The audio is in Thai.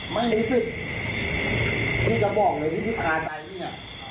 ไม่มีสิทธิ์ที่จะบอกเลยที่พี่สาวอ้อนไปเนี่ย